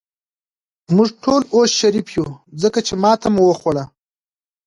موږ ټول اوس شریف یو، ځکه چې ماته مو وخوړه.